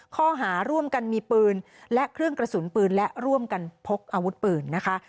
ข้อหาร่วมกันมีปืนและเครื่องกระสุนปืนและร่วมกันพกอาวุธปืนนะคะ